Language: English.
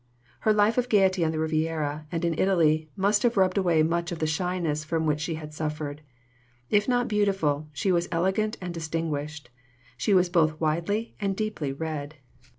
Her life of gaiety on the Riviera and in Italy must have rubbed away much of the shyness from which she had suffered. If not beautiful, she was elegant and distinguished. She was both widely and deeply read.